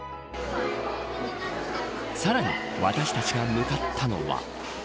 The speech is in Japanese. さらに私たちが向かったのは。